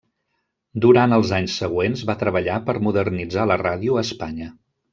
Durant els anys següents va treballar per modernitzar la ràdio a Espanya.